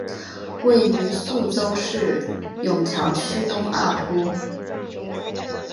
位于宿州市埇桥区东二铺。